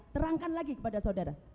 terangkan lagi kepada saudara